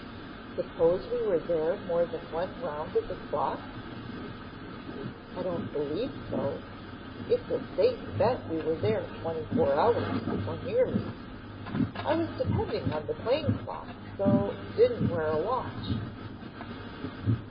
"Suppose we were there more than one round of the clock?" "I don't believe so. It's a safe bet we were there twenty four hours, or nearly. I was depending on the plane clock, so didn't wear a watch."